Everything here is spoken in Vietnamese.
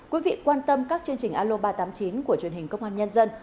quý vị quan tâm các chương trình aloba tám mươi chín của truyền hình công an nhân dân